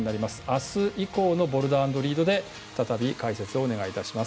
明日以降のボルダー＆リードで再び解説をお願いいたします。